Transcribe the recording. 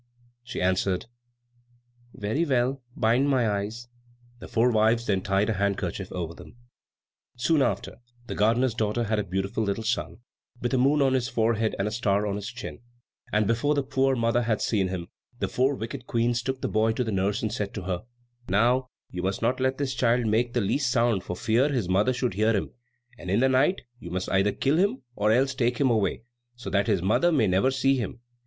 She answered, "Very well, bind my eyes." The four wives then tied a handkerchief over them. Soon after, the gardener's daughter had a beautiful little son, with a moon on his forehead and a star on his chin, and before the poor mother had seen him, the four wicked Queens took the boy to the nurse and said to her, "Now you must not let this child make the least sound for fear his mother should hear him; and in the night you must either kill him, or else take him away, so that his mother may never see him.